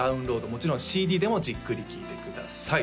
もちろんＣＤでもじっくり聴いてください